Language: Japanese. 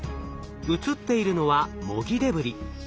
映っているのは模擬デブリ。